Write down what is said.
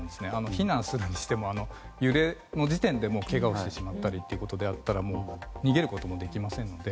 避難するにしても揺れの時点でもうけがをしてしまったりということであったら逃げることもできませんので。